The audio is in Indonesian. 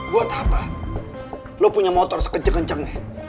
buat apa lo punya motor sekeceng kencengnya